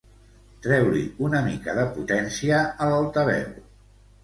Treu-li una mica de potència a l'altaveu.